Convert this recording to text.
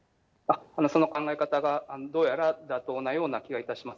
その考え方がどうやら妥当なような気がいたします。